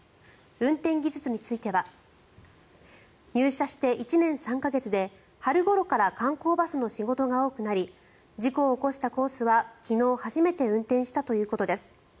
運転技術については入社して１年３か月で春ごろから観光バスの仕事が多くなり事故を起こしたコースは昨日初めて運転したということです。